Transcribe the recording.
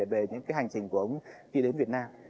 về những hành trình của ông khi đến việt nam